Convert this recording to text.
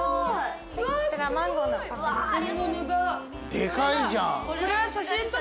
でかいじゃん。